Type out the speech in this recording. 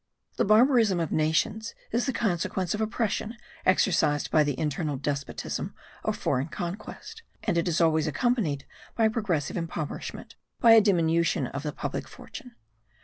The barbarism of nations is the consequence of oppression exercised by internal despotism or foreign conquest; and it is always accompanied by progressive impoverishment, by a diminution of the public fortune.